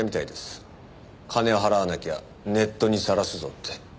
金を払わなきゃネットにさらすぞって。